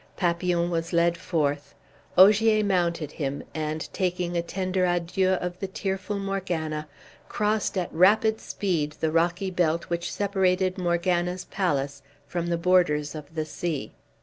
Papillon was led forth, Ogier mounted him, and, taking a tender adieu of the tearful Morgana, crossed at rapid speed the rocky belt which separated Morgana's palace from the borders of the sea.